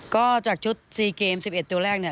ก็จากชุดสี่เกมสิบเอ็ดตัวแรกเนี่ย